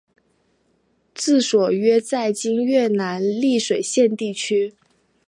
治所约在今越南丽水县地区。